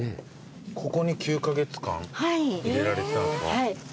ここに９カ月間入れられてたんですか？